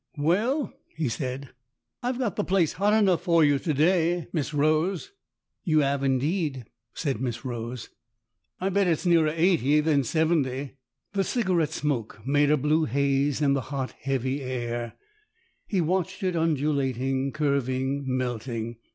" Well," he said, " I've got the place hot enough for you to day, Miss Rose." " You 'ave indeed," said Miss Rose. " I bet it's nearer eighty than seventy." The cigarette smoke made a blue haze in the hot, heavy air. He watched it undulating, curving, melting.